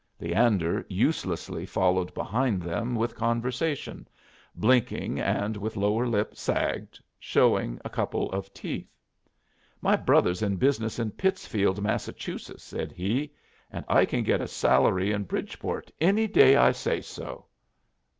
Leander uselessly followed behind them with conversation, blinking and with lower lip sagged, showing a couple of teeth. "My brother's in business in Pittsfield, Massachusetts," said he, "and I can get a salary in Bridgeport any day I say so.